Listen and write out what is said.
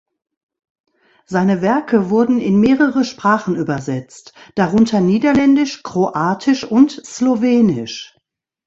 Seine Werke wurden in mehrere Sprachen übersetzt, darunter Niederländisch, Kroatisch und Slowenisch.